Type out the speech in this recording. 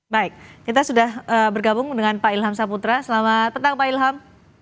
baik kita sudah bergabung dengan pak ilham saputra selamat petang pak ilham